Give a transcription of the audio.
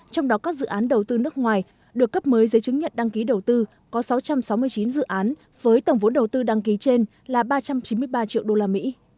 trong đó các dự án đầu tư nước ngoài được cấp mới giấy chứng nhận đăng ký đầu tư có sáu trăm sáu mươi chín dự án với tổng vốn đầu tư đăng ký trên là ba trăm chín mươi ba triệu đô la mỹ